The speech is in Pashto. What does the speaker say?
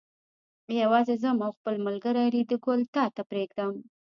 یوازې ځم او خپل ملګری ریډي ګل تا ته پرېږدم.